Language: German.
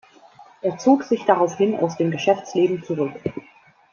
Er zog sich daraufhin aus dem Geschäftsleben zurück.